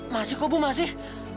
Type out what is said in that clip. masih kok bu masih